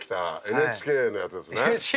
ＮＨＫのやつです。